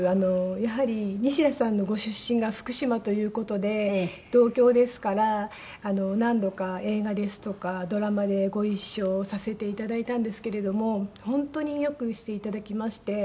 やはり西田さんのご出身が福島という事で同郷ですから何度か映画ですとかドラマでご一緒させて頂いたんですけれども本当によくして頂きまして。